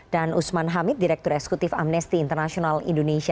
dan usman hamid direktur esekutif amnesty international indonesia